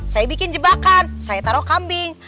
saya bikin jebakan saya taruh kambing